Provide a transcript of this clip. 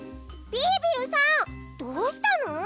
ビービルさんどうしたの？